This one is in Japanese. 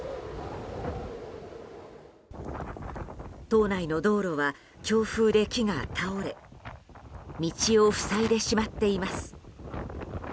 島内の道路は強風で木が倒れ道を塞いでしまっています。